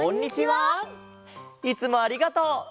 いつもありがとう。